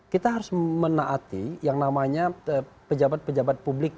kita harus menaati yang namanya pejabat pejabat publik